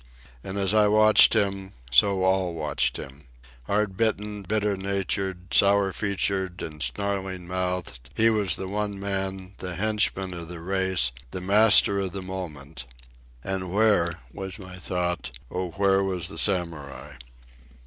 And as I watched him, so all watched him. Hard bitten, bitter natured, sour featured and snarling mouthed, he was the one man, the henchman of the race, the master of the moment. "And where," was my thought, "O where was the Samurai?"